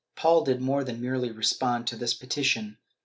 ^ Paul did more than merely respond to this petition.